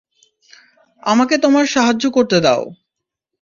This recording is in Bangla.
আমাকে তোমার সাহায্য করতে দাও।